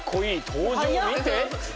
登場見て？